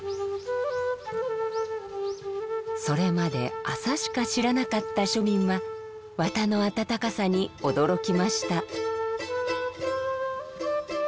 それまで麻しか知らなかった庶民は綿の温かさに驚きました。